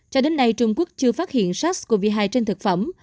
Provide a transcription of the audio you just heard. cho đến nay trung quốc chưa phát hiện sars cov hai trên thực phẩm